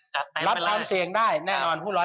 รับความเสี่ยงได้แน่นอนว่าแค่๑๐๐